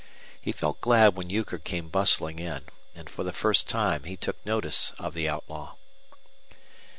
He felt glad when Euchre came bustling in, and for the first time he took notice of the outlaw.